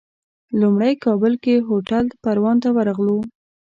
لومړی کابل کې هوټل پروان ته ورغلو.